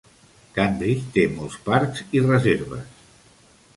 Cambridge té molts parcs i reserves.